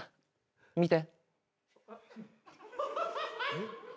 見て。